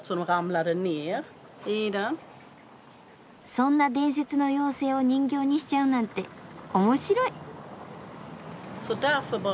そんな伝説の妖精を人形にしちゃうなんて面白い！